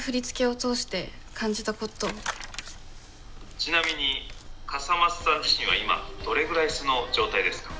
「ちなみに笠松さん自身は今どれぐらい素の状態ですか？」。